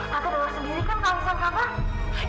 tante dengar sendiri kan tangisan kak fah